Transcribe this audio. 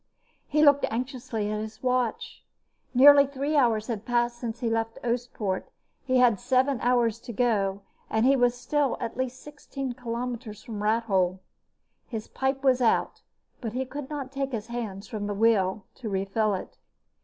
He looked anxiously at his watch. Nearly three hours had passed since he left Oostpoort. He had seven hours to go and he was still at least 16 kilometers from Rathole. His pipe was out, but he could not take his hands from the wheel to refill it.